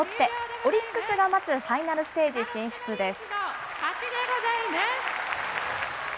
オリックスが待つファイナルステージ進出です。